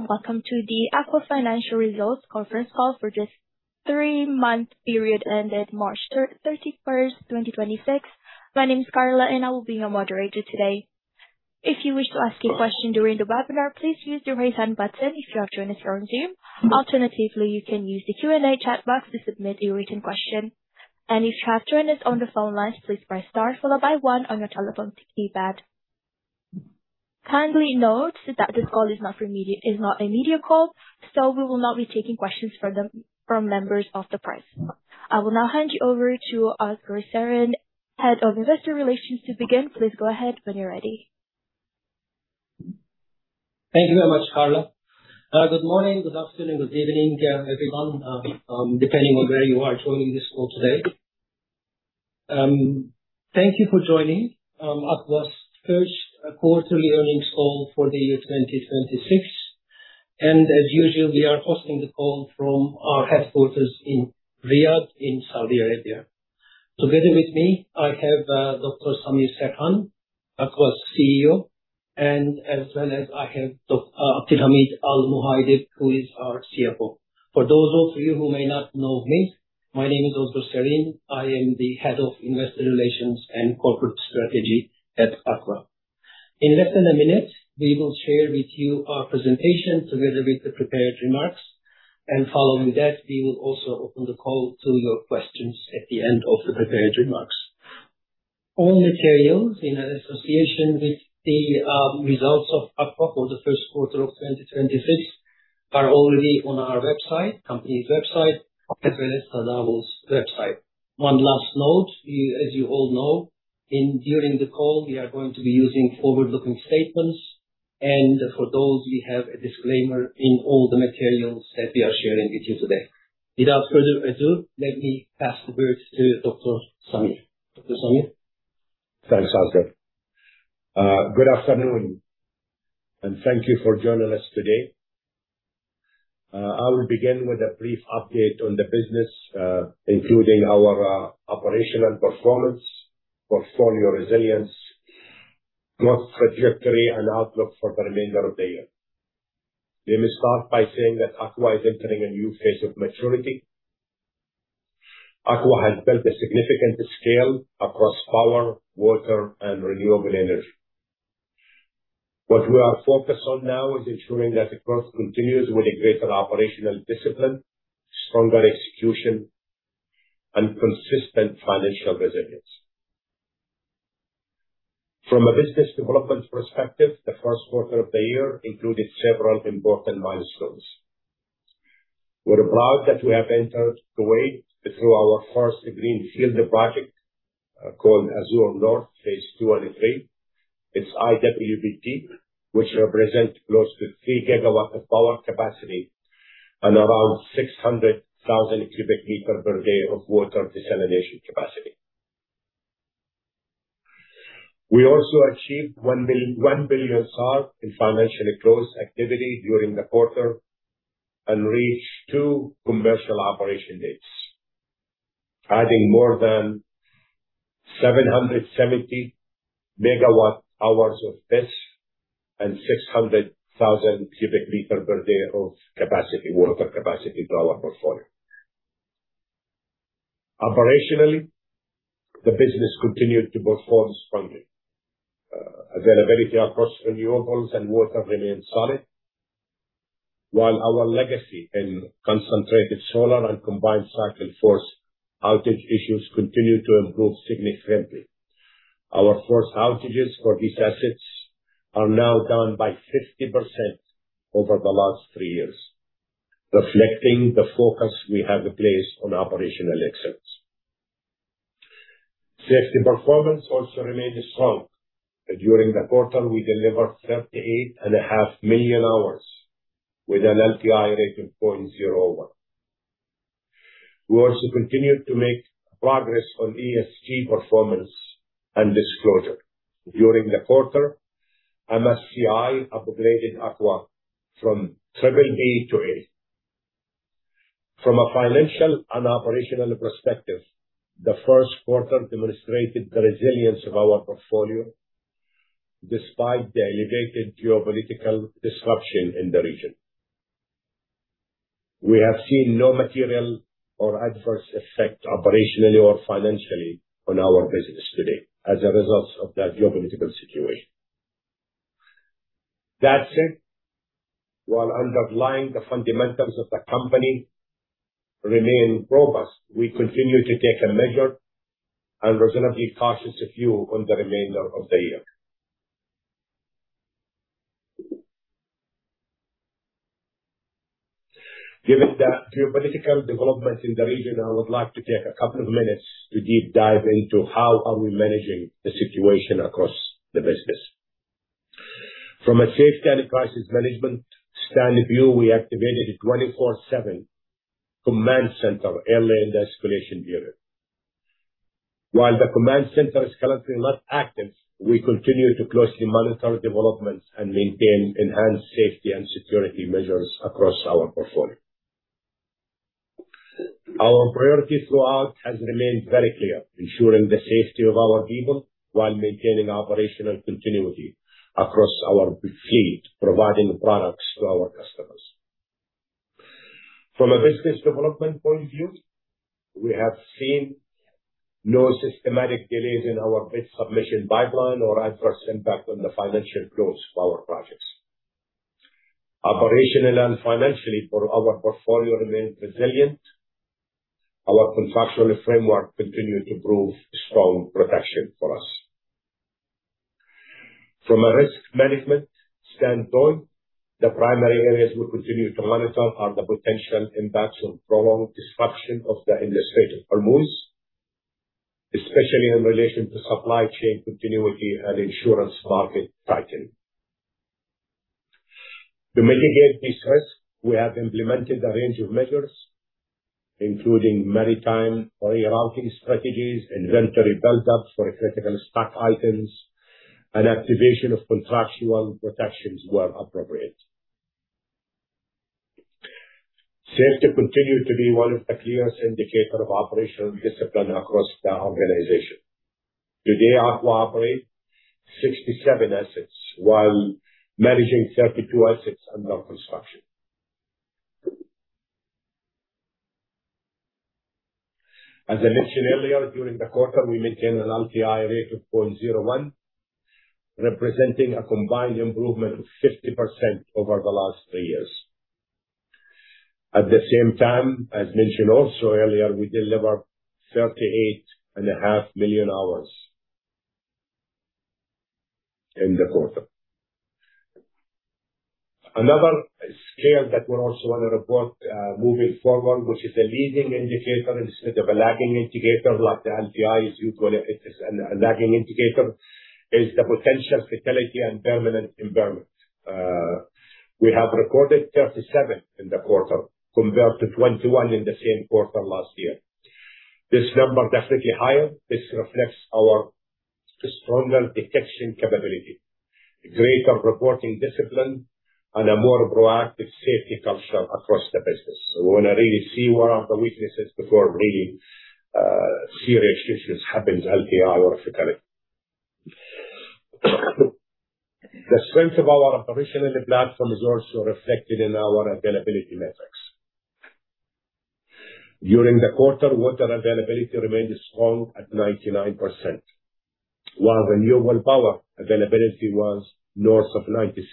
Hello everyone, and welcome to the ACWA Power Financial Results Conference Call for this three-month period ended March 31st, 2026. My name is Carla, and I will be your moderator today. If you wish to ask a question during the webinar, please use the raise hand button if you have joined us on Zoom. Alternatively, you can use the Q&A chat box to submit your written question. If you have joined us on the phone lines, please press star followed by 1 on your telephone keypad. Kindly note that this call is not a media call, so we will not be taking questions from members of the press. I will now hand you over to Ozgur Serin, Head of Investor Relations, to begin. Please go ahead when you're ready. Thank you very much, Carla. Good morning, good afternoon, good evening everyone, depending on where you are joining this call today. Thank you for joining ACWA Power's first quarterly earnings call for the year 2026. As usual, we are hosting the call from our headquarters in Riyadh, in Saudi Arabia. Together with me, I have Dr. Samir Serhan, ACWA Power's CEO, and as well as I have Abdulhameed Al Muhaidib, who is our CFO. For those of you who may not know me, my name is Ozgur Serin. I am the Head of Investor Relations and Corporate Strategy at ACWA Power. In less than a minute, we will share with you our presentation together with the prepared remarks, and following that, we will also open the call to your questions at the end of the prepared remarks. All materials in association with the results of ACWA Power for the first quarter of 2026 are already on our website, company's website, as well as Tadawul's website. One last note, as you all know, during the call we are going to be using forward-looking statements, and for those we have a disclaimer in all the materials that we are sharing with you today. Without further ado, let me pass the words to Dr. Samir. Dr. Samir? Thanks, Ozgur. Good afternoon, and thank you for joining us today. I will begin with a brief update on the business, including our operational performance, portfolio resilience, growth trajectory, and outlook for the remainder of the year. Let me start by saying that ACWA Power is entering a new phase of maturity. ACWA Power has built a significant scale across power, water, and renewable energy. What we are focused on now is ensuring that the growth continues with a greater operational discipline, stronger execution, and consistent financial resilience. From a business development perspective, the first quarter of the year included several important milestones. We're proud that we have entered the way through our first greenfield project, called Az-Zour North, phase 2 and 3. It's IWPP, which represent close to 3 gigawatts of power capacity and around 600,000 cubic meter per day of water desalination capacity. We also achieved 1 billion in financially closed activity during the quarter and reached two commercial operation dates, adding more than 770 megawatt hours of this and 600,000 cubic meters per day of capacity, water capacity to our portfolio. Operationally, the business continued to perform strongly. Availability across renewables and water remains solid, while our legacy in concentrated solar and combined cycle force outage issues continue to improve significantly. Our force outages for these assets are now down by 50% over the last three years, reflecting the focus we have placed on operational excellence. Safety performance also remained strong. During the quarter, we delivered 38.5 million hours with an LTI rate of 0.01. We also continued to make progress on ESG performance and disclosure. During the quarter, MSCI upgraded ACWA from triple B to A. From a financial and operational perspective, the first quarter demonstrated the resilience of our portfolio despite the elevated geopolitical disruption in the region. We have seen no material or adverse effect operationally or financially on our business today as a result of that geopolitical situation. That said, while underlying the fundamentals of the company remain robust, we continue to take a measured and reasonably cautious view on the remainder of the year. Given the geopolitical developments in the region, I would like to take a couple of minutes to deep dive into how are we managing the situation across the business. From a safety and crisis management standpoint view, we activated a 24/7 command center early in the escalation period. While the command center is currently not active, we continue to closely monitor developments and maintain enhanced safety and security measures across our portfolio. Our priority throughout has remained very clear. Ensuring the safety of our people while maintaining operational continuity across our fleet, providing products to our customers. From a business development point of view, we have seen no systematic delays in our bid submission pipeline or adverse impact on the financial close of our projects. Operationally and financially, our portfolio remains resilient. Our contractual framework continued to prove strong protection for us. From a risk management standpoint, the primary areas we continue to monitor are the potential impacts of prolonged disruption of the Strait of Hormuz, especially in relation to supply chain continuity and insurance market tightening. To mitigate this risk, we have implemented a range of measures, including maritime rerouting strategies, inventory build-ups for critical stock items, and activation of contractual protections where appropriate. Safety continued to be one of the clearest indicators of operational discipline across the organization. Today, ACWA operates 67 assets while managing 32 assets under construction. As I mentioned earlier, during the quarter, we maintained an LTI rate of 0.01, representing a combined improvement of 50% over the last three years. At the same time, as mentioned also earlier, we delivered 38.5 million hours in the quarter. Another scale that we also want to report, moving forward, which is a leading indicator instead of a lagging indicator like the LTI is usually a lagging indicator, is the potential fatality and permanent impairment. We have recorded 37 in the quarter, compared to 21 in the same quarter last year. This number is definitely higher. This reflects our stronger detection capability, greater reporting discipline, and a more proactive safety culture across the business. We want to really see where are the weaknesses before really serious issues happen, LTI or fatality. The strength of our operational platform is also reflected in our availability metrics. During the quarter, water availability remained strong at 99%, while renewable power availability was north of 97%.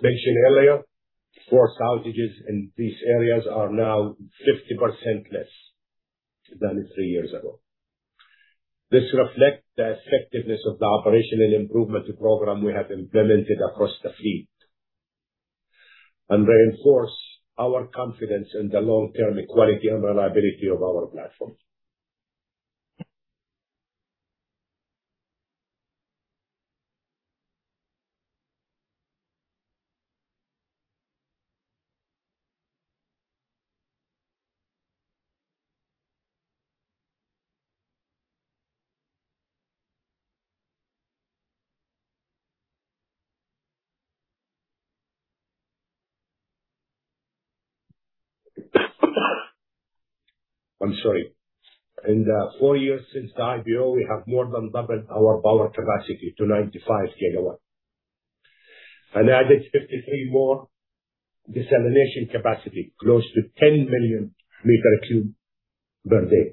As mentioned earlier, force outages in these areas are now 50% less than three years ago. This reflects the effectiveness of the operational improvement program we have implemented across the fleet and reinforces our confidence in the long-term quality and reliability of our platform. In the four years since the IPO, we have more than doubled our power capacity to 95 GW and added 53 more desalination capacity, close to 10 million cubic meters per day.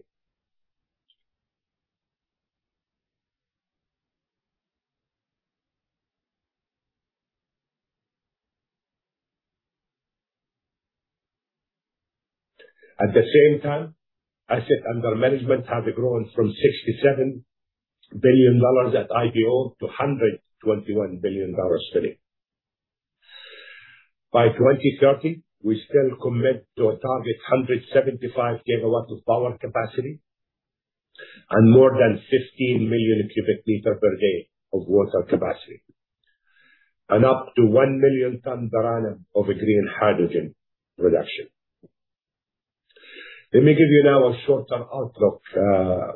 At the same time, assets under management have grown from SAR 67 billion at IPO to SAR 121 billion today. By 2030, we still commit to a target of 175 GW of power capacity and more than 15 million cubic meters per day of water capacity and up to 1 million tons per annum of green hydrogen production. Let me give you now a short-term outlook,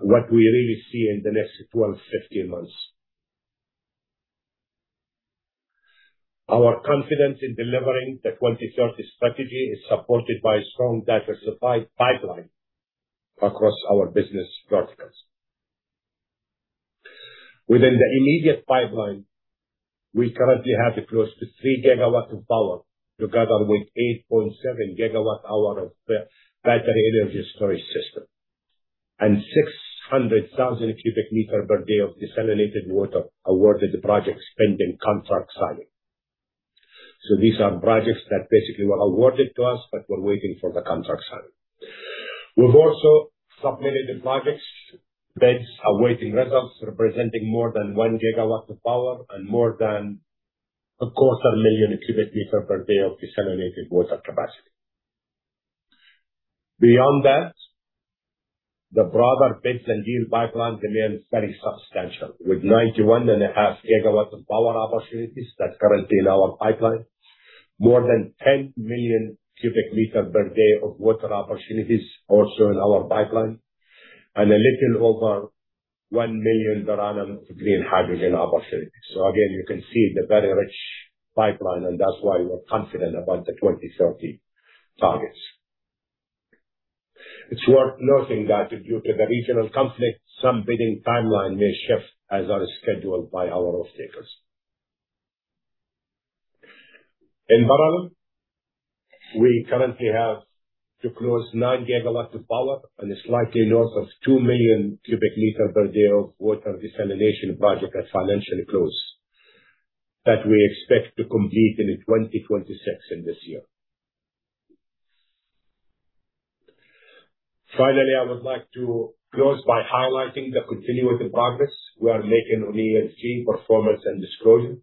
what we really see in the next 12 to 15 months. Our confidence in delivering the 2030 strategy is supported by a strong, diversified pipeline across our business verticals. Within the immediate pipeline, we currently have close to 3 gigawatts of power, together with 8.7 gigawatt hours of battery energy storage system and 600,000 cubic meters per day of desalinated water awarded projects pending contract signing. These are projects that basically were awarded to us, but we're waiting for the contract signing. We've also submitted projects bids awaiting results, representing more than 1 gigawatt of power and more than a quarter million cubic meters per day of desalinated water capacity. Beyond that, the broader bids and deals pipeline remains very substantial, with 91.5 GW of power opportunities that are currently in our pipeline. More than 10 million cubic meters per day of water opportunities also in our pipeline, and a little over 1 million in Bahrain of green hydrogen opportunities. Again, you can see the very rich pipeline, and that's why we're confident about the 2030 targets. It's worth noting that due to the regional conflict, some bidding timeline may shift as are scheduled by our off-takers. In Bahrain, we currently have to close 9 gigawatts of power and slightly north of 2 million cubic meters per day of water desalination project at financial close that we expect to complete in 2026 in this year. Finally, I would like to close by highlighting the continuative progress we are making on ESG performance and disclosure.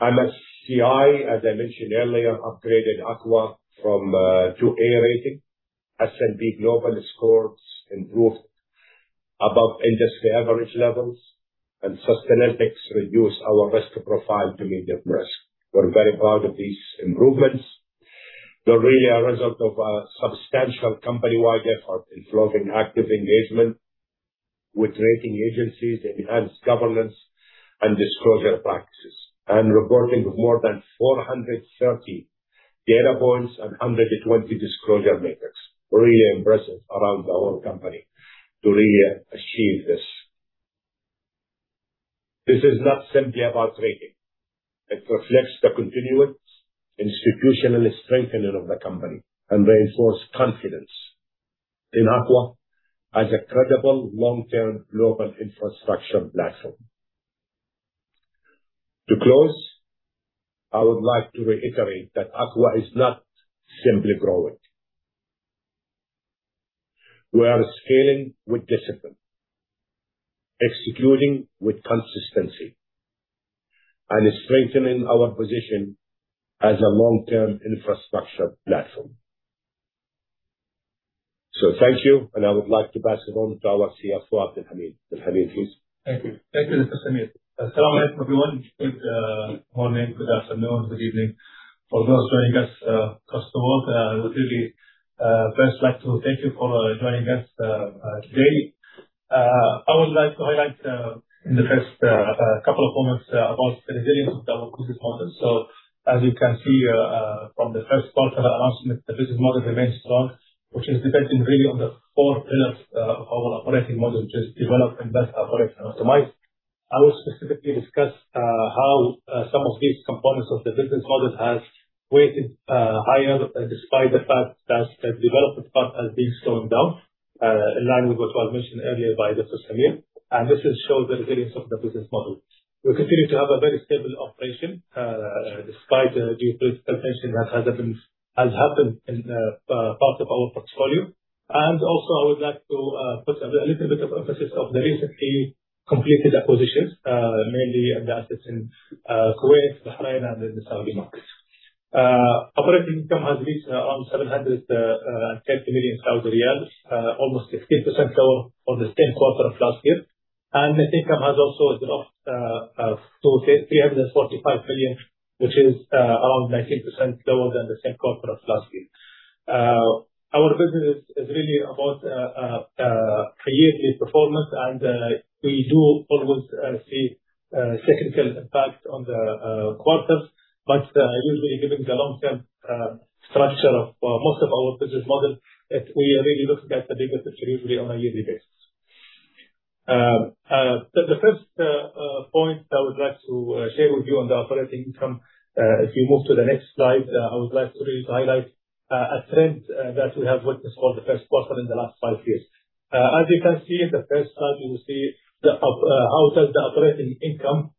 MSCI, as I mentioned earlier, upgraded ACWA from a 2A rating. S&P Global scores improved above industry average levels, and Sustainalytics reduced our risk profile to medium risk. We're very proud of these improvements. They're really a result of a substantial company-wide effort involving active engagement with rating agencies, enhanced governance and disclosure practices, and reporting of more than 430 data points and 120 disclosure metrics. Really impressive around our company to really achieve this. This is not simply about rating. It reflects the continuance, institutional strengthening of the company, and reinforces confidence in ACWA as a credible long-term global infrastructure platform. To close, I would like to reiterate that ACWA is not simply growing. We are scaling with discipline, executing with consistency, and strengthening our position as a long-term infrastructure platform. Thank you, and I would like to pass it on to our CFO, Abdulhamid. Abdulhamid, please. Thank you. Thank you, Mr. Samir. Yeah. Salam everyone. Good morning, good afternoon, good evening. For those joining us across the world, I would really first like to thank you for joining us today. I would like to highlight in the first couple of comments about the resilience of our business model. As you can see from the first quarter announcement, the business model remains strong, which is dependent really on the four pillars of our operating model, which is develop, invest, operate, and optimize. I will specifically discuss how some of these components of the business model have weighted higher despite the fact that the development part has been slowing down, in line with what was mentioned earlier by Mr. Samir. This shows the resilience of the business model. We continue to have a very stable operation despite the geopolitical tension that has happened in parts of our portfolio. Also, I would like to put a little bit of emphasis on the recently completed acquisitions, mainly in the assets in Kuwait, Bahrain, and in the Saudi markets. Operating income has reached around 710 million, almost 16% lower from the same quarter of last year. Net income has also dropped to 345 million, which is around 19% lower than the same quarter of last year. Our business is really about a yearly performance, and we do always see cyclical impact on the quarters. Usually, given the long-term structure of most of our business model, we are really looking at the business usually on a yearly basis. The first point I would like to share with you on the operating income, if we move to the next slide, I would like to really highlight a trend that we have witnessed for the first quarter in the last five years. As you can see in the first chart, you will see how does the operating income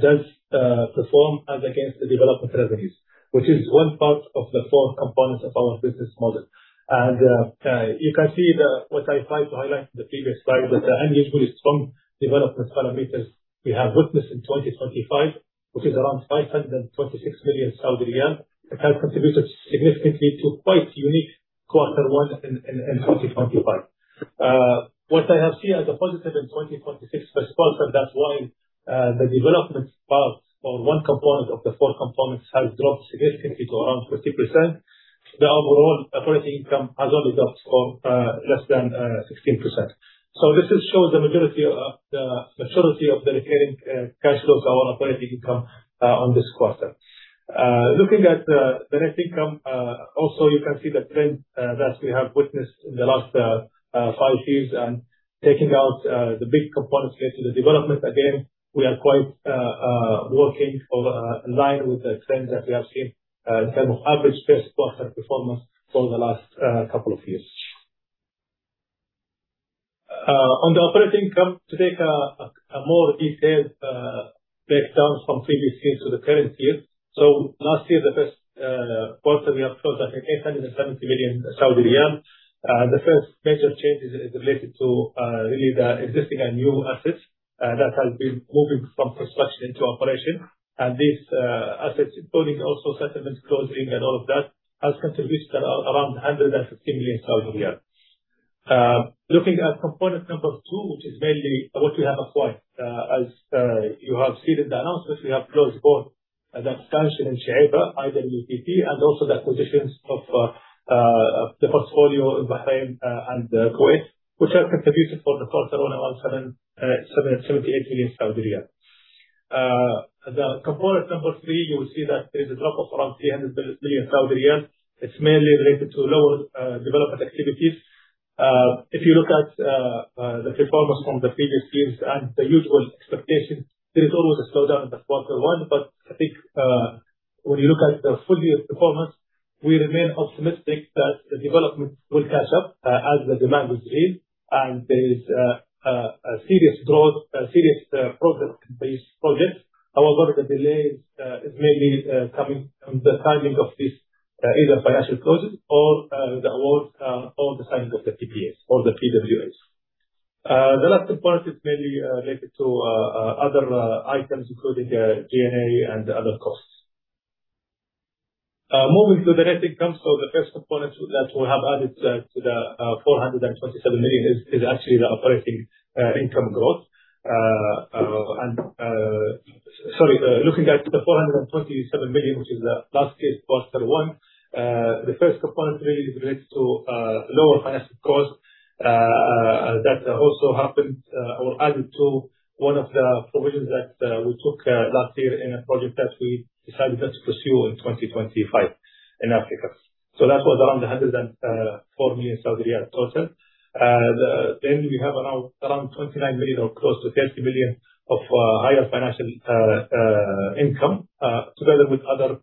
does perform as against the development revenues, which is one part of the four components of our business model. You can see what I tried to highlight in the previous slide, that the unusually strong development parameters we have witnessed in 2025, which is around 526 million Saudi riyal, have contributed significantly to quite a unique quarter one in 2025. What I have seen as a positive in 2026 first quarter, that is why the development part or one component of the four components has dropped significantly to around 50%. The overall operating income has only dropped for less than 16%. This shows the maturity of the recurring cash flows on operating income on this quarter. Looking at the net income, also you can see the trend that we have witnessed in the last five years and taking out the big components related to development. Again, we are quite working in line with the trends that we have seen in terms of average first-quarter performance for the last couple of years. On the operating income, to take a more detailed breakdown from previous years to the current year. Last year, the first quarter we have closed at 870 million Saudi riyal. The first major change is related to really the existing and new assets that have been moving from construction into operation. These assets, including also settlements closing and all of that, has contributed around 150 million. Looking at component 2, which is mainly what we have acquired. As you have seen in the announcements, we have closed both the expansion in Shuaibah IWPP, and also the acquisitions of the portfolio in Bahrain and Kuwait, which have contributed for the quarter around 778 million Saudi riyal. The component 3, you will see that there is a drop of around 300 million Saudi riyal. It is mainly related to lower development activities. If you look at the performance from the previous years and the usual expectation, there is always a slowdown in the quarter one, I think when you look at the full year performance, we remain optimistic that the development will catch up as the demand is real and there is a serious progress-based project. However, the delay is mainly coming from the timing of these either financial closes or the awards, or the timing of the PPAs or the PWAs. The last component is mainly related to other items, including the G&A and other costs. Moving to the net income. The first component that we have added to the 427 million is actually the operating income growth. Sorry, looking at the 427 million, which is last year's quarter one, the first component really is related to lower financial cost that also happened or added to one of the provisions that we took last year in a project that we decided not to pursue in 2025 in Africa. That was around 104 million Saudi riyal total. We have around 29 million or close to 30 million of higher financial income together with other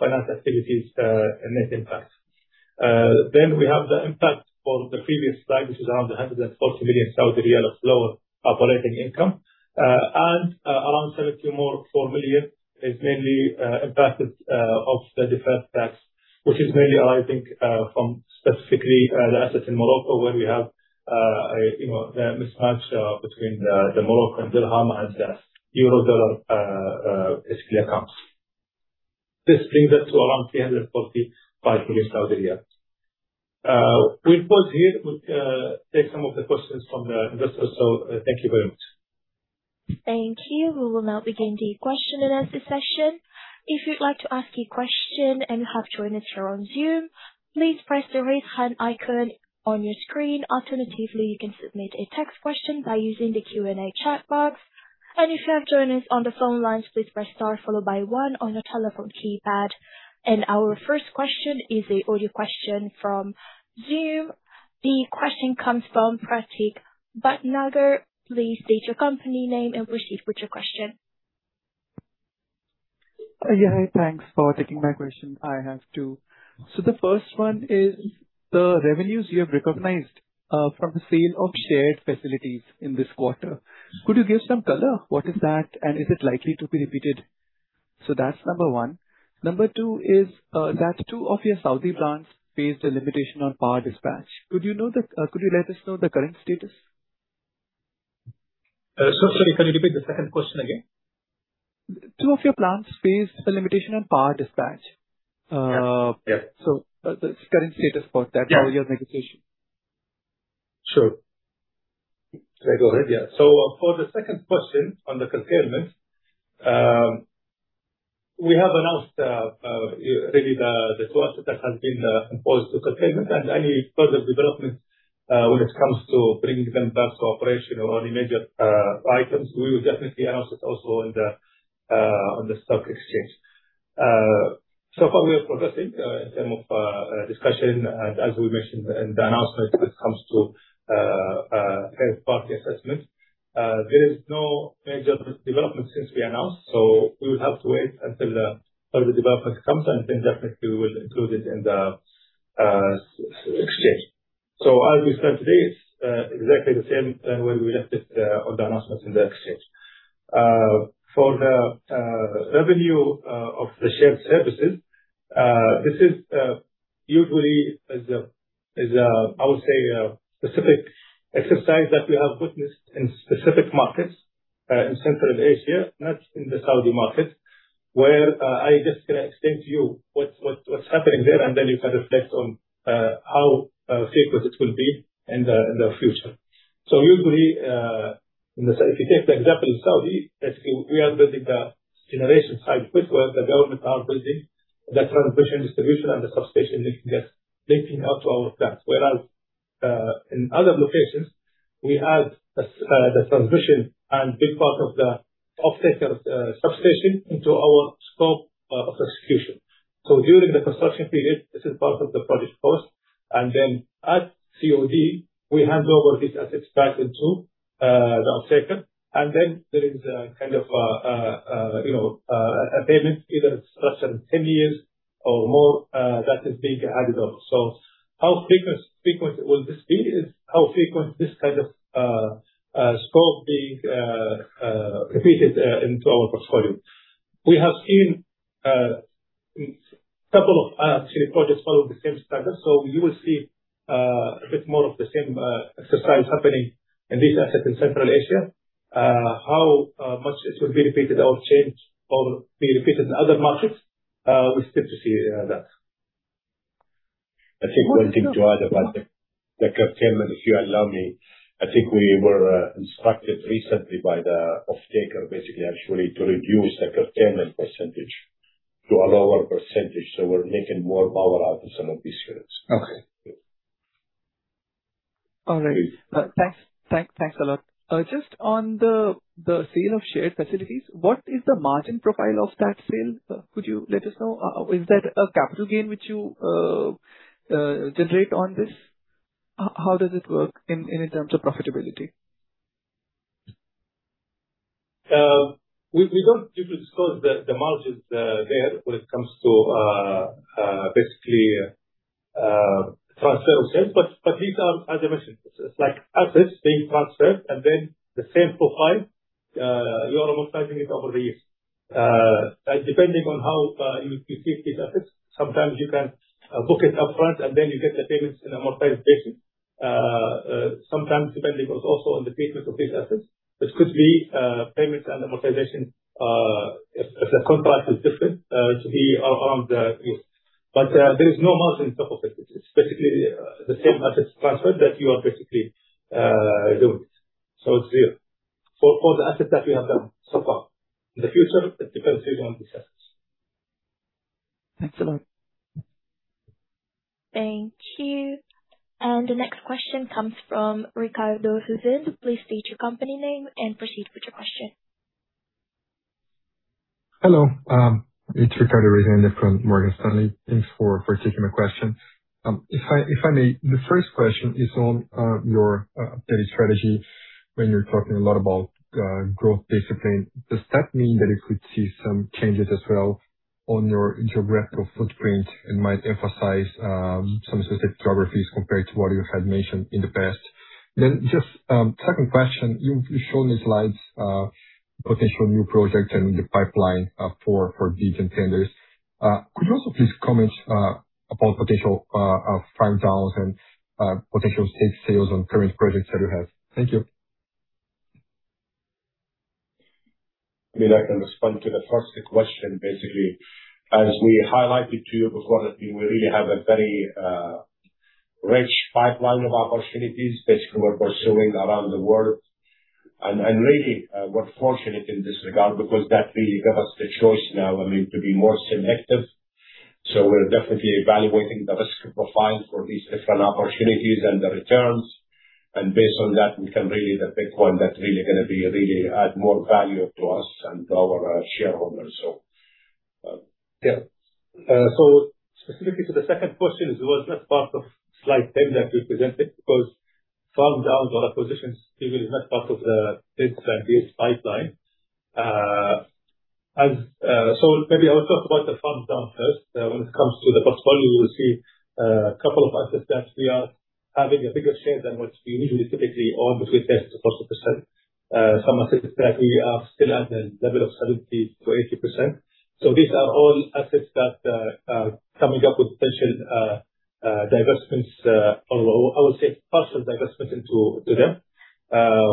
finance activities and net impact. We have the impact for the previous slide, which is around 140 million Saudi riyal of lower operating income and around 74 million is mainly impacted of the deferred tax, which is mainly arising from specifically the assets in Morocco where we have the mismatch between the Moroccan dirham and the euro-dollar accounts. This brings us to around SAR 345 million. We will pause here, take some of the questions from the investors. Thank you very much. Thank you. We will now begin the question and answer session. If you would like to ask a question and you have joined us here on Zoom, please press the raise hand icon on your screen. Alternatively, you can submit a text question by using the Q&A chat box. If you have joined us on the phone lines, please press star followed by 1 on your telephone keypad. Our first question is a audio question from Zoom. The question comes from Pratik Bhatnagar. Please state your company name and proceed with your question. Thanks for taking my question. I have 2. The first one is the revenues you have recognized from the sale of shared facilities in this quarter. Could you give some color? What is that and is it likely to be repeated? That is number 1. Number 2 is that 2 of your Saudi plants faced a limitation on power dispatch. Could you let us know the current status? Sorry, can you repeat the second question again? Two of your plants faced a limitation on power dispatch. Yeah. The current status for that. Yeah While you have negotiation. Sure. Can I go ahead? Yeah. For the second question on the curtailment, we have announced really the quarter that has been imposed to curtailment and any further developments when it comes to bringing them back to operation or any major items. We will definitely announce it also on the stock exchange. So far, we are progressing in terms of discussion, as we mentioned in the announcement when it comes to third-party assessment. There is no major development since we announced. We will have to wait until further development comes, then definitely we will include it in the exchange. As we said today, it's exactly the same way we left it on the announcements in the exchange. For the revenue of the shared services, this is usually a, I would say, a specific exercise that we have witnessed in specific markets in Central Asia, not in the Saudi market, where I just gonna explain to you what's happening there, then you can reflect on how frequent it will be in the future. Usually, if you take the example of Saudi, basically we are building the generation side with where the government are building the transmission distribution and the substation linking up to our plants. Whereas, in other locations, we have the transmission and big part of the off-taker substation into our scope of execution. During the construction period, this is part of the project cost. At COD, we hand over this asset back into the off-taker. There is a kind of a payment, either it's less than 10 years or more, that is being added up. How frequent will this be is how frequent this kind of scope being repeated into our portfolio. We have seen couple of actually projects follow the same standard. You will see a bit more of the same exercise happening in these assets in Central Asia. How much it will be repeated or changed or be repeated in other markets? We're still to see that. I think one thing to add about the curtailment, if you allow me. I think we were instructed recently by the off-taker, basically, actually, to reduce the curtailment % to a lower %. We're making more power out of some of these units. Okay. All right. Thanks a lot. Just on the sale of shared facilities, what is the margin profile of that sale? Could you let us know? Is that a capital gain which you generate on this? How does it work in terms of profitability? We don't typically disclose the margins there when it comes to, basically, transfer of sales. These are, as I mentioned, it's like assets being transferred then the same profile. You are amortizing it over the years. Depending on how you treat these assets, sometimes you can book it upfront and then you get the payments in amortization. Sometimes depending also on the treatment of these assets, it could be payments and amortization, if the contract is different, to be around the year. There is no margin on top of it. It's basically the same asset transfer that you are basically doing. It's zero. For the assets that we have done so far, in the future, it depends really on these assets. Thanks a lot. Thank you. The next question comes from Ricardo Rezende. Please state your company name and proceed with your question. Hello. It's Ricardo Rezende from Morgan Stanley. Thanks for taking my question. If I may, the first question is on your updated strategy. When you're talking a lot about growth discipline, does that mean that it could see some changes as well on your geographical footprint and might emphasize some specific geographies compared to what you had mentioned in the past? Just, second question, you've shown the slides, potential new projects and in the pipeline for deals and tenders. Could you also please comment upon potential farm-downs and potential state sales on current projects that you have? Thank you. I mean, I can respond to the first question. Basically, as we highlighted to you before, that we really have a very rich pipeline of opportunities, basically, we're pursuing around the world. Really, we're fortunate in this regard because that really gave us the choice now, I mean, to be more selective. We're definitely evaluating the risk profile for these different opportunities and the returns. Based on that, we can really then pick one that's really going to add more value to us and to our shareholders. Yeah. Specifically to the second question as well, it's not part of slide 10 that we presented because farm-downs or acquisitions really is not part of the deals pipeline. Maybe I will talk about the farm-down first. When it comes to the portfolio, you will see a couple of assets that we are having a bigger share than what we usually typically own between 10%-40%. Some assets that we are still at a level of 70%-80%. These are all assets that are coming up with potential divestments, or I would say partial divestment to them.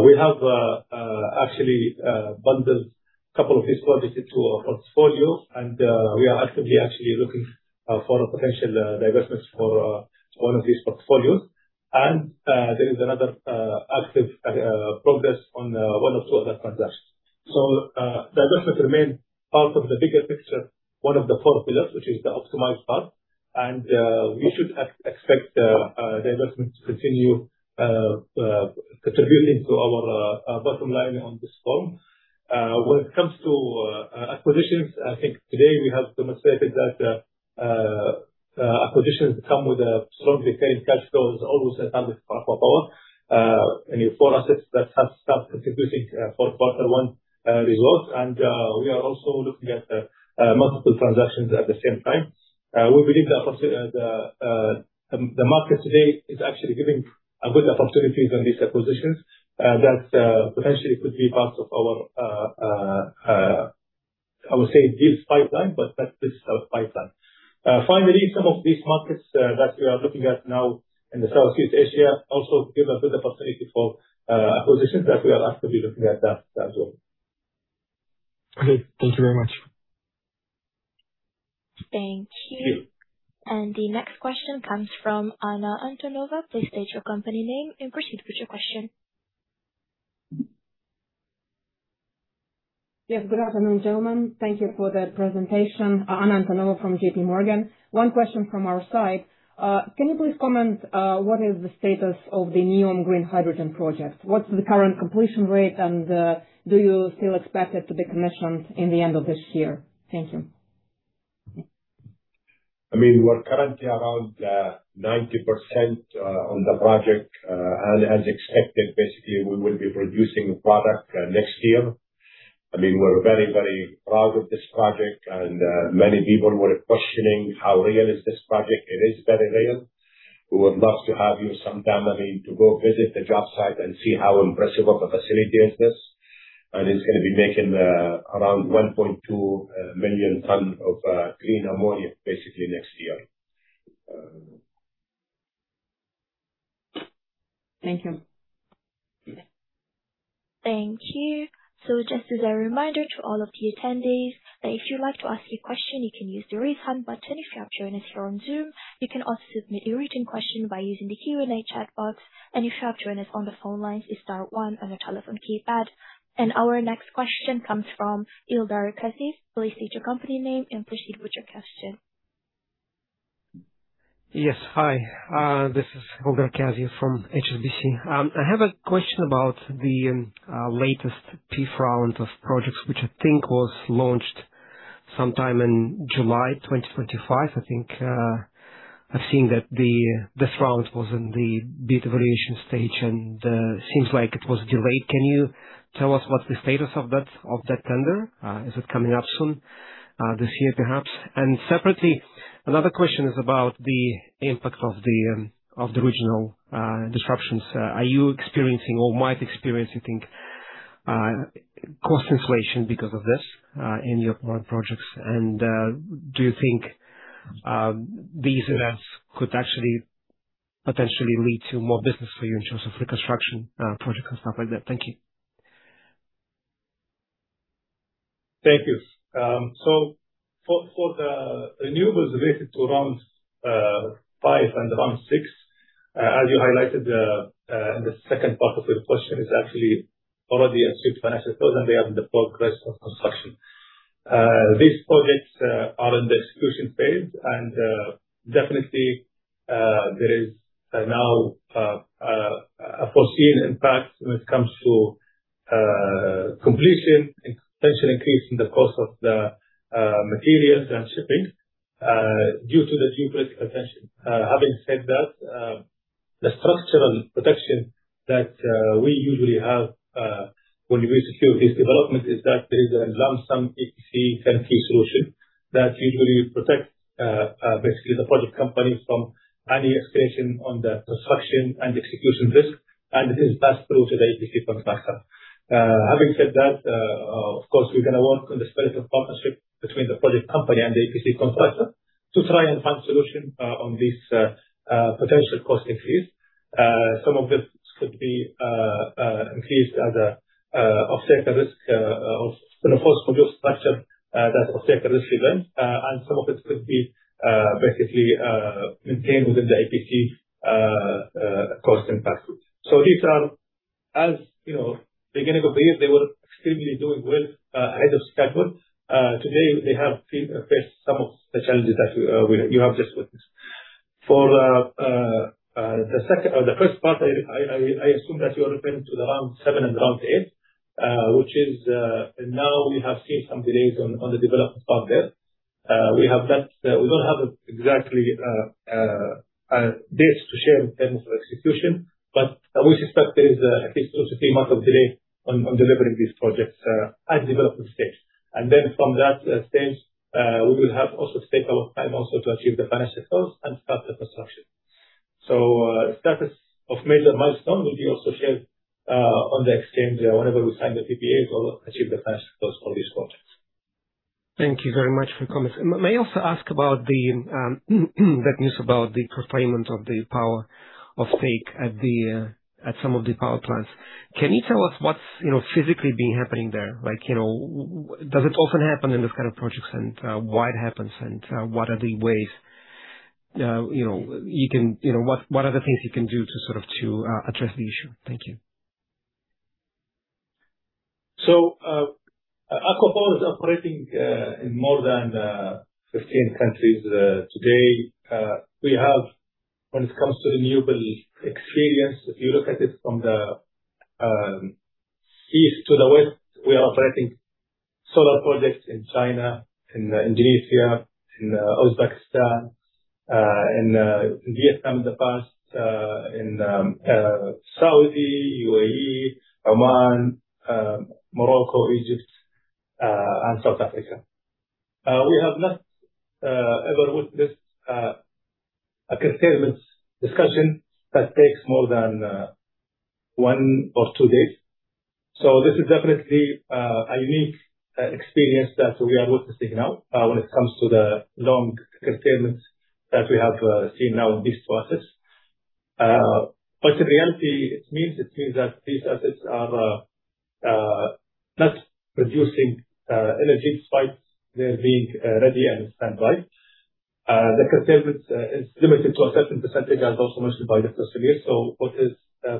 We have actually bundled a couple of these projects into our portfolio and we are actively actually looking for a potential divestment for one of these portfolios. There is another active progress on one or two other transactions. Divestment remain part of the bigger picture, one of the four pillars, which is the optimized part. You should expect the divestment to continue contributing to our bottom line on this front. When it comes to acquisitions, I think today we have demonstrated that acquisitions come with a strong detailed cash flows almost as valid for ACWA Power. Four assets that have started contributing for quarter one results. We are also looking at multiple transactions at the same time. We believe the market today is actually giving good opportunities on these acquisitions that potentially could be part of our, I would say, deals pipeline, but that is our pipeline. Finally, some of these markets that we are looking at now in the Southeast Asia also give a good opportunity for acquisitions that we are actively looking at that as well. Okay. Thank you very much. Thank you. The next question comes from Anna Antonova. Please state your company name and proceed with your question. Yes. Good afternoon, gentlemen. Thank you for the presentation. Anna Antonova from JPMorgan. One question from our side. Can you please comment what is the status of the Neom green hydrogen project? What's the current completion rate and do you still expect it to be commissioned in the end of this year? Thank you. I mean, we're currently around 90% on the project. As expected, basically, we will be producing product next year. I mean, we're very, very proud of this project. Many people were questioning how real is this project. It is very real. We would love to have you sometime, I mean, to go visit the job site and see how impressive of a facility it is. It's going to be making around 1.2 million ton of green ammonia, basically next year. Thank you. Thank you. Just as a reminder to all of the attendees that if you'd like to ask a question, you can use the raise hand button if you have joined us here on Zoom. You can also submit your written question by using the Q&A chat box, if you have joined us on the phone lines, it's star one on your telephone keypad. Our next question comes from Aldo Cassis. Please state your company name and proceed with your question. Yes. Hi. This is Aldo Cassis from HSBC. I have a question about the latest P4 round of projects, which I think was launched sometime in July 2025, I think. I've seen that this round was in the bid evaluation stage, seems like it was delayed. Can you tell us what the status of that tender? Is it coming up soon, this year, perhaps? Separately, another question is about the impact of the regional disruptions. Are you experiencing or might experience, you think, cost inflation because of this in your current projects? Do you think these events could actually potentially lead to more business for you in terms of reconstruction projects and stuff like that? Thank you. Thank you. For the renewables related to rounds 5 and round 6, as you highlighted in the second part of your question, is actually already at financial close, and they are in the progress of construction. These projects are in the execution phase. Definitely, there is now a foreseen impact when it comes to completion, potential increase in the cost of the materials and shipping due to the geopolitical tension. Having said that, the structural protection that we usually have when we secure this development is that there is a lump sum EPC turnkey solution that usually protects basically the project company from any escalation on the construction and execution risk, and it is passed through to the EPC contractor. Having said that, of course, we're going to work on the spirit of partnership between the project company and the EPC contractor to try and find solution on this potential cost increase. Some of this could be increased as a offset the risk of force majeure structure that offset the risk event, and some of it could be basically maintained within the EPC cost impact group. These are as beginning of the year, they were extremely doing well ahead of schedule. Today, they have faced some of the challenges that you have just witnessed. For the first part, I assume that you are referring to the round 7 and round 8, which is now we have seen some delays on the development part there. We don't have exactly dates to share in terms of execution, but we suspect there is at least 2 to 3 months of delay on delivering these projects at development stage. Then from that stage, we will have also to take our time also to achieve the financial close and start the construction. Status of major milestone will be also shared on the exchange whenever we sign the PPA or achieve the financial close for these projects. Thank you very much for the comments. May I also ask about that news about the curtailment of the power of take at some of the power plants. Can you tell us what's physically been happening there? Does it often happen in this kind of projects, and why it happens, and what are the ways, what are the things you can do to sort of to address the issue? Thank you. ACWA Power is operating in more than 15 countries today. We have, when it comes to renewable experience, if you look at it from the east to the west, we are operating solar projects in China, in Indonesia, in Uzbekistan, in Vietnam in the past, in Saudi, UAE, Oman, Morocco, Egypt, and South Africa. We have not ever witnessed a curtailment discussion that takes more than 1 or 2 days. This is definitely a unique experience that we are witnessing now when it comes to the long curtailment that we have seen now in this process. But in reality, it means that these assets are not producing energy despite their being ready and stand by. The curtailment is limited to a certain percentage, as also mentioned by Dr. Samir. What is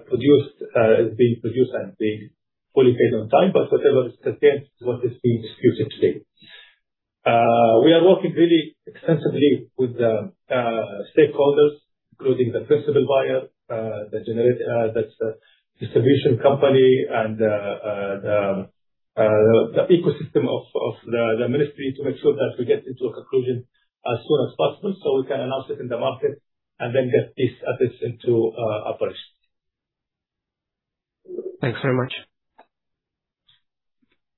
produced is being produced and being fully paid on time, but whatever is curtailed is what is being disputed today. We are working really extensively with the stakeholders, including the principal buyer, the distribution company, and the ecosystem of the ministry to make sure that we get into a conclusion as soon as possible so we can announce it in the market and then get these assets into operation. Thanks very much.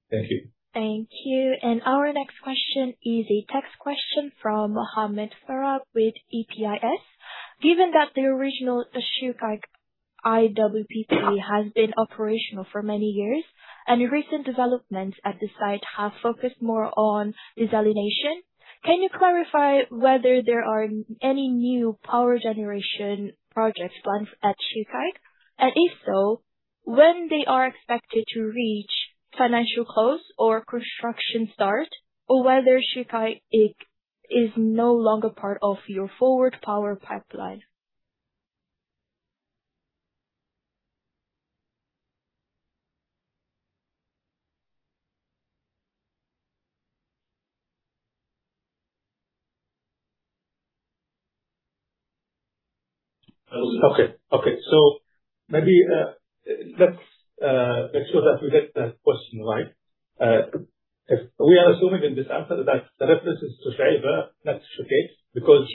Thank you. Thank you. Our next question is a text question from Mohammed Farah with EPIS. Given that the original Shuaibah IWPP has been operational for many years and recent developments at the site have focused more on desalination, can you clarify whether there are any new power generation project plans at Shuaibah? If so, when they are expected to reach financial close or construction start, or whether Shuaibah is no longer part of your forward power pipeline? Okay. Maybe let's make sure that we get the question right. If we are assuming in this answer that the reference is to Shuaibah, that's okay, because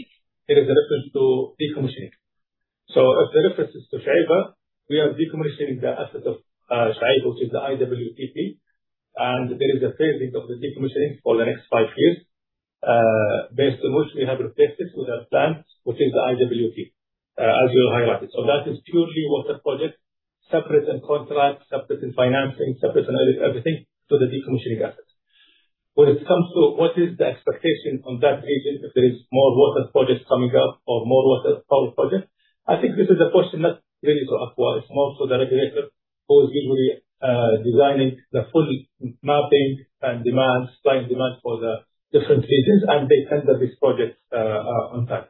there is a reference to decommissioning. If the reference is to Shuaibah, we are decommissioning the asset of Shuaibah, which is the IWPP, and there is a phasing of the decommissioning for the next five years, based on which we have replaced it with a plant, which is the IWPP, as you highlighted. That is purely water project, separate in contract, separate in financing, separate in everything to the decommissioning asset. When it comes to what is the expectation on that region, if there is more water projects coming up or more water power projects, I think this is a question not really to ACWA. It's more to the regulator who is usually designing the full mapping and supply demand for the different regions, they tender these projects on time.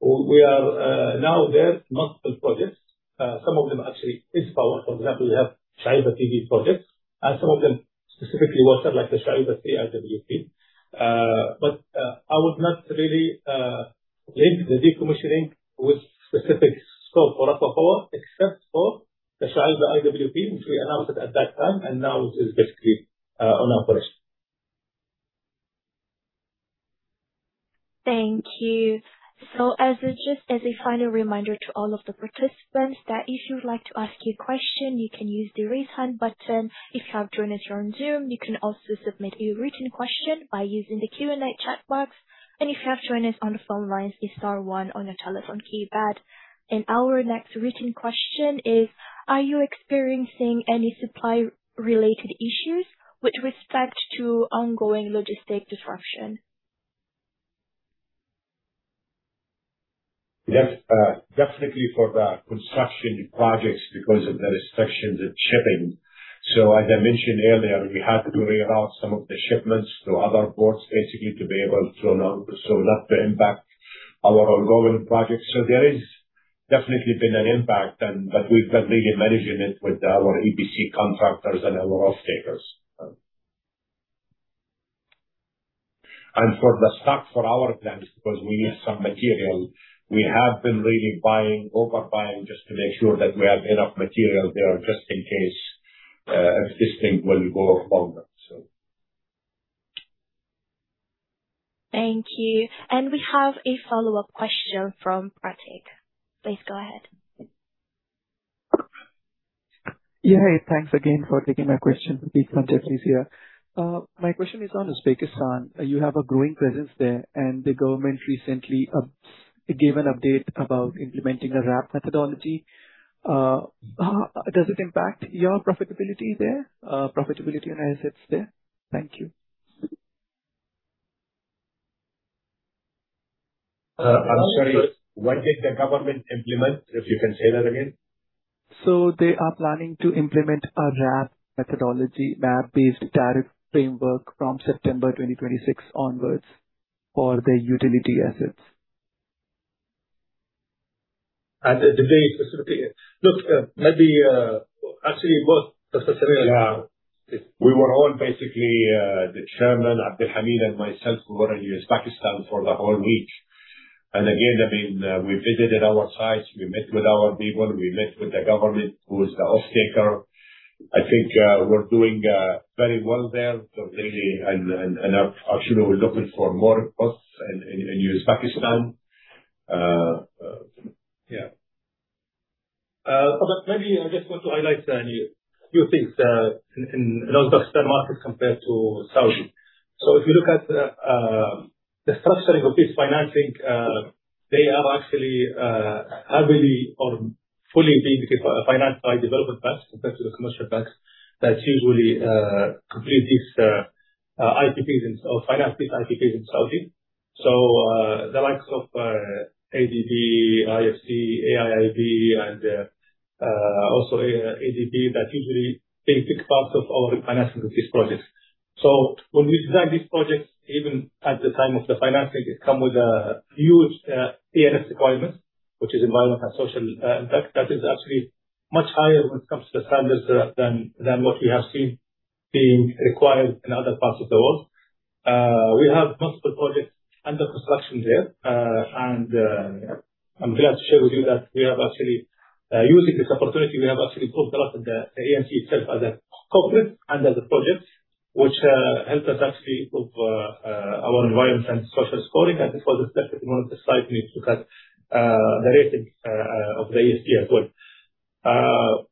There are multiple projects. Some of them actually is power. For example, we have Shuaibah PD projects, and some of them specifically water, like the Shuaibah IWP. I would not really link the decommissioning with specific scope for ACWA Power except for the Shuaibah IWPP, which we announced at that time, and now is basically on operation. Thank you. Just as a final reminder to all of the participants that if you would like to ask a question, you can use the raise hand button. If you have joined us on Zoom, you can also submit a written question by using the Q&A chat box. If you have joined us on the phone lines, it's star one on your telephone keypad. Our next written question is: Are you experiencing any supply-related issues with respect to ongoing logistic disruption? Yes, definitely for the construction projects because of the restrictions in shipping. As I mentioned earlier, we had to re-route some of the shipments to other ports, basically, to be able to run on so not to impact our ongoing projects. There is definitely been an impact, but we've been really managing it with our EPC contractors and our off-takers. For the stock for our plants, because we need some material, we have been really overbuying just to make sure that we have enough material there just in case, if this thing will go longer. Thank you. We have a follow-up question from Pratik. Please go ahead. Thanks again for taking my question. Pratik Ranjan Jaiswal. My question is on Uzbekistan. You have a growing presence there, the government recently gave an update about implementing a WRAP methodology. Does it impact your profitability and assets there? Thank you. I'm sorry, what did the government implement? If you can say that again. They are planning to implement a WRAP methodology, WRAP-based tariff framework from September 2026 onwards for their utility assets. Did they specifically, maybe, actually, both Mr. Samir and I. We were all basically, the chairman, Abdulhameed, and myself, who were in Uzbekistan for the whole week. Again, we visited our sites, we met with our people, we met with the government, who is the off-taker. I think we're doing very well there. Really, and actually, we're looking for more plots in Uzbekistan. Yeah. Maybe I just want to highlight a few things in Uzbekistan market compared to Saudi. If you look at the structuring of this financing, they are actually heavily or fully being financed by development banks compared to the commercial banks that usually complete these IPPs or finance these IPPs in Saudi. The likes of ADB, IFC, AIIB, and also ADB, that usually take big parts of our financing of these projects. When we design these projects, even at the time of the financing, they come with a huge ES requirement, which is environment and social impact. That is actually much higher when it comes to the standards than what we have seen being required in other parts of the world. We have multiple projects under construction there. I'm glad to share with you that we have actually, using this opportunity, we have actually improved a lot the ACWA itself as a corporate and as a project, which helped us actually improve our environment and social scoring. This was definitely one of the side needs to cut the rating of the ESG as well.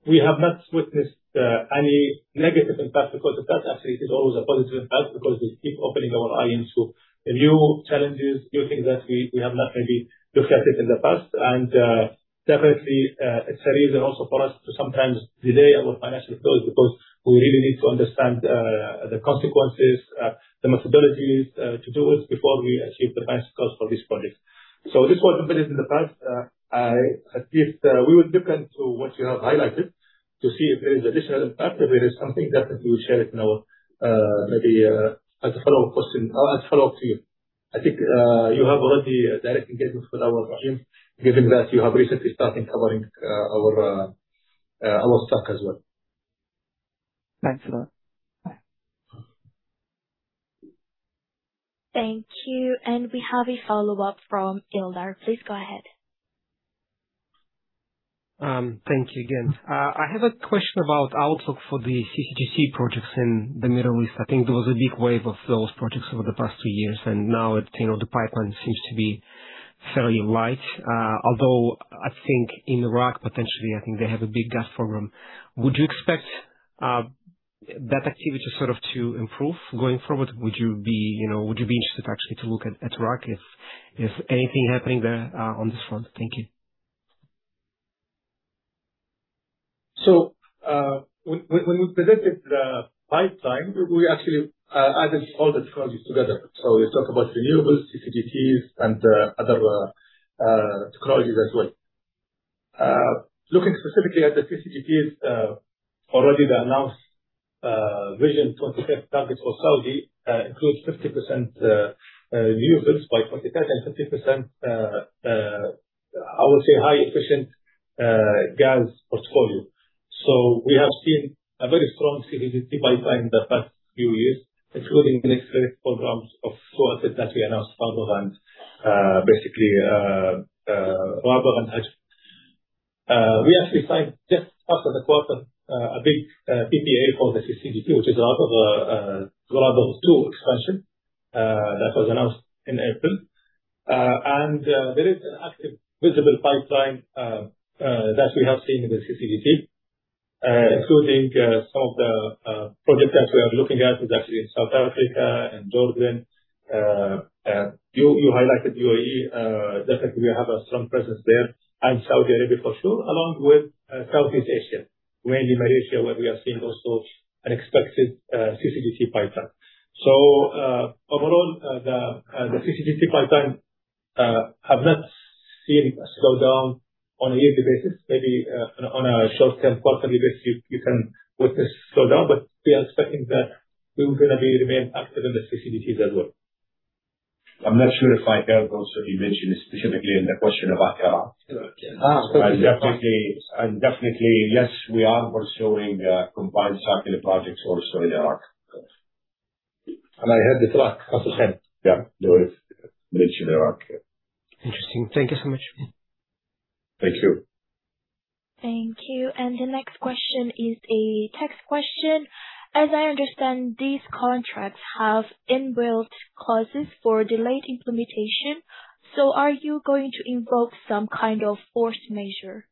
We have not witnessed any negative impact because of that. Actually, it is always a positive impact because it keeps opening our eyes to new challenges, new things that we have not really looked at it in the past. Definitely, it's a reason also for us to sometimes delay our financial close because we really need to understand the consequences, the responsibilities to do it before we achieve the financial close for this project. This was embedded in the past. We will look into what you have highlighted to see if there is additional impact. If there is something, definitely, we'll share it in our follow-up question or as a follow-up to you. I think you have already direct engagement with our team, given that you have recently started covering our stock as well. Thanks for that. Thank you. We have a follow-up from Ilder. Please go ahead. Thank you again. I have a question about outlook for the CCGT projects in the Middle East. I think there was a big wave of those projects over the past 2 years. Now the pipeline seems to be fairly light. Although, I think in Iraq, potentially, I think they have a big gas program. Would you expect that activity to improve going forward? Would you be interested actually to look at Iraq if anything happening there on this front? Thank you. When we presented the pipeline, we actually added all the technologies together. We talk about renewables, CCGTs, and other technologies as well. Looking specifically at the CCGTs, already the announced Vision 2030 targets for Saudi includes 50% renewables by 2030 and 50%, I would say, high efficient gas portfolio. We have seen a very strong CCGT pipeline in the past few years, including the next 3 programs of 400 GW that we announced, Barthan, basically Rabigh and Hafr. We actually signed just after the quarter, a big PPA for the CCGT, which is part of the Rubaa II expansion that was announced in April. There is an active, visible pipeline that we have seen in the CCGT, including some of the projects that we are looking at is actually in South Africa and Jordan. You highlighted UAE, definitely we have a strong presence there. Saudi Arabia, for sure, along with Southeast Asia, mainly Malaysia, where we are seeing also an expected CCGT pipeline. Overall, the CCGT pipeline, I've not seen a slowdown on a yearly basis. Maybe on a short-term quarterly basis, you can witness a slowdown, but we are expecting that we will remain active in the CCGT as well. I'm not sure if I heard also you mentioned specifically in the question about Iraq. Iraq, yeah. Definitely, yes, we are pursuing combined cycle projects also in Iraq. I heard it's Iraq. Yeah. We have mentioned Iraq. Interesting. Thank you so much. Thank you. Thank you. The next question is a text question. As I understand, these contracts have inbuilt clauses for delayed implementation. Are you going to invoke some kind of forced measure?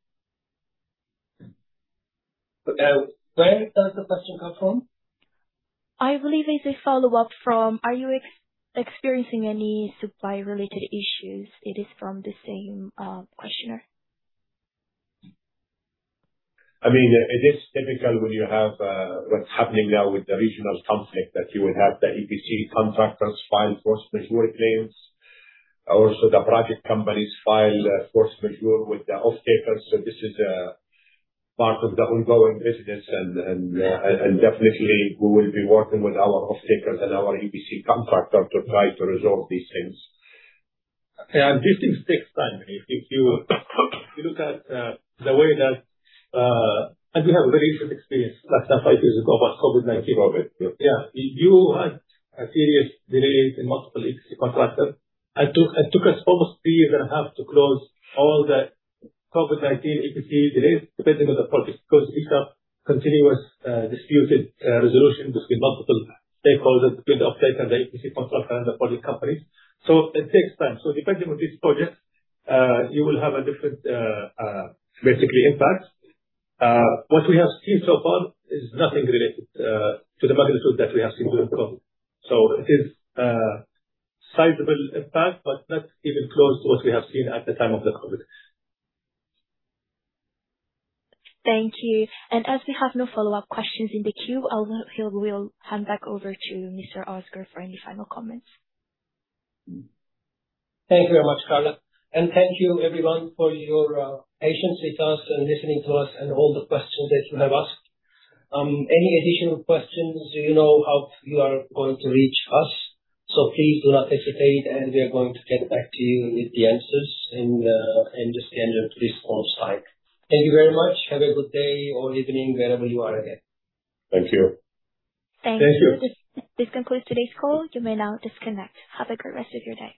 Where does the question come from? I believe it's a follow-up from, "Are you experiencing any supply-related issues?" It is from the same questioner. It is typical when you have what's happening now with the regional conflict, that you will have the EPC contractors file force majeure claims. Also, the project companies file force majeure with the off-takers. This is part of the ongoing business. Definitely we will be working with our off-takers and our EPC contractor to try to resolve these things. These things take time. If you look at the way that we have a very recent experience less than five years ago about COVID-19. COVID. Yeah. You had a serious delay in multiple EPC contractors. It took us almost three and a half years to close all the COVID-19 EPC delays, depending on the project, because it's a continuous disputed resolution between multiple stakeholders, between the off-taker, the EPC contractor, and the project companies. It takes time. Depending on which project, you will have a different basically impact. What we have seen so far is nothing related to the magnitude that we have seen during COVID. It is a sizable impact, but not even close to what we have seen at the time of the COVID. Thank you. As we have no follow-up questions in the queue, I will hand back over to Mr. Oscar for any final comments. Thank you very much, Carla. Thank you everyone for your patience with us and listening to us and all the questions that you have asked. Any additional questions, you know how you are going to reach us, please do not hesitate, and we are going to get back to you with the answers in the standard response time. Thank you very much. Have a good day or evening, wherever you are again. Thank you. Thanks. Thank you. This concludes today's call. You may now disconnect. Have a great rest of your day.